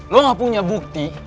lu gak punya bukti